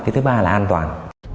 cái thứ ba là an toàn